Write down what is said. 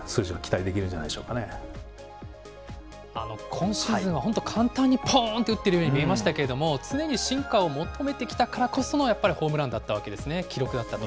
今シーズンは本当、簡単にぽーんって打ってるように見えましたけれども、常に進化を求めてきたからこそのやっぱりホームランだったわけですね、記録だったと。